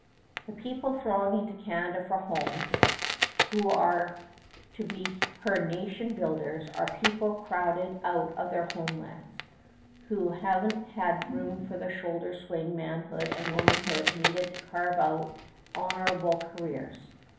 The people thronging to Canada for homes, who are to be her nation builders, are people crowded out of their home lands, who had n't room for the shoulder swing manhood and womanhood need to carve out honorable careers.